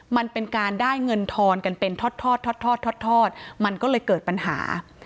มันเป็นการได้เงินทอนกันเป็นทอดทอดมันก็เลยเกิดปัญหา